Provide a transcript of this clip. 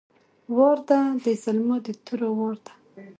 وار ده د زلمو د تورو وار ده!